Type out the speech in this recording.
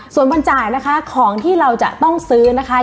ส่วนวันจ่ายนะคะของที่เราจะต้องซื้อนะคะ